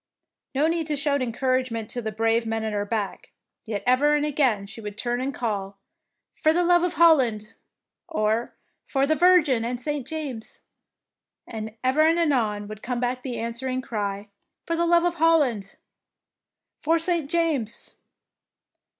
No need to shout encouragement to the brave men at her back, yet ever and again she would turn and call, ^'Por love of Holland,^' or ''For the Virgin and St. James,'' and ever and anon would come back the answering cry, "For love of Holland," "For St. James."